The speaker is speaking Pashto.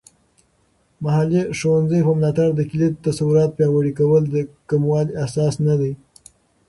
محلي ښوونځیو په ملاتړ د کلیدي تصورات پیاوړي کول د کموالی احساس نه دی.